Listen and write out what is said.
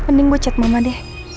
mending gue cek mama deh